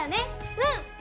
うん！